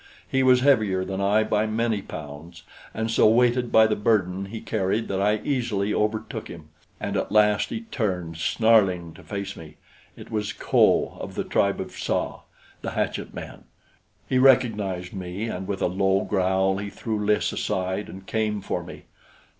He was heavier than I by many pounds, and so weighted by the burden he carried that I easily overtook him; and at last he turned, snarling, to face me. It was Kho of the tribe of Tsa, the hatchet men. He recognized me, and with a low growl he threw Lys aside and came for me.